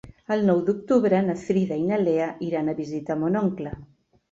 El nou d'octubre na Frida i na Lea iran a visitar mon oncle.